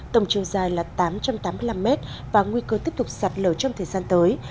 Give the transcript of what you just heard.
tổng chiều dài là tám trăm tám mươi năm m và nguy cơ tiếp tục sạt lở trong thời gian tới